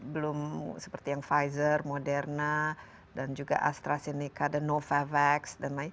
belum seperti yang pfizer moderna dan juga astrazeneca dan novavax dan lain